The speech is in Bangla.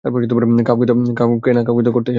কাউকে তো করতেই হবে।